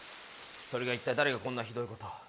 それがいったい誰がこんなひどいこと。